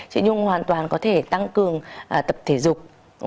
chị nhung hoàn toàn có thể tăng cường tập thể dục